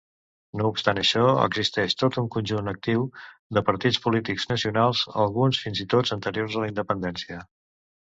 No obstant això, existeix tot un conjunt actiu de partits polítics nacionals, alguns fins i tot anteriors a la independència.